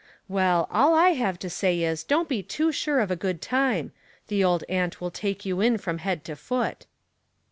" Well, all I have to say is, don't be too sure of a good time. The old aunt will take you in from head to foot."